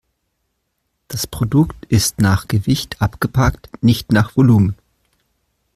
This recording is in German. Das Produkt ist nach Gewicht abgepackt, nicht nach Volumen.